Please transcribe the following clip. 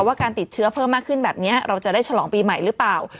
ว่าการติดเชื้อเพิ่มมากขึ้นแบบนี้เราจะได้ฉลองปีใหม่หรือเปล่า